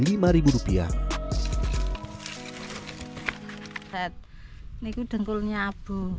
ini adalah dengkulnya abu